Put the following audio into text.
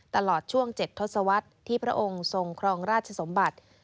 ตลอดช่วง๗ทศวรรษที่พระองค์ทรงครองราชสมบัติ